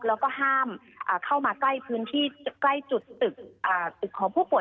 แล้วก็ห้ามเข้ามาใกล้พื้นที่ใกล้จุดตึกของผู้ป่วย